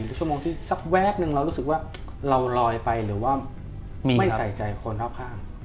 คือชั่วโมงที่สักแวบหนึ่งเรารู้สึกว่าเราลอยไปหรือว่าไม่ใส่ใจคนรอบข้าง